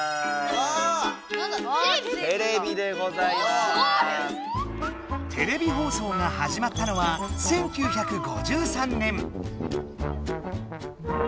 おすごい！テレビ放送がはじまったのは１９５３年。